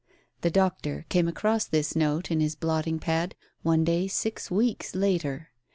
The doctor came across this note in his bldtting pad one day six weeks later.